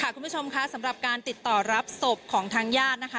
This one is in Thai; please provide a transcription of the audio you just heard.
คุณผู้ชมค่ะสำหรับการติดต่อรับศพของทางญาตินะคะ